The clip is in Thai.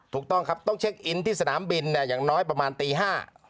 ถูกต้องครับต้องเช็คอินที่สนามบินเนี่ยอย่างน้อยประมาณตีห้า